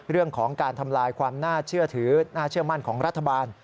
เรื่องของการทำลายความน่าเชื่อมั่นของรัฐบาล